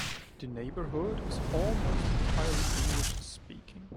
The neighbourhood is almost entirely English speaking.